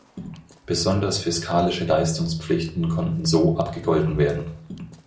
Besonders fiskalische Leistungspflichten konnten so abgegolten werden.